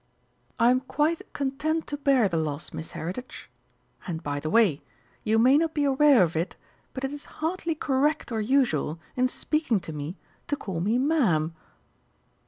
"I am quite content to bear the loss, Miss Heritage. And, by the way, you may not be aware of it, but it is hardly correct or usual, in speaking to me, to call me 'Ma'am.'"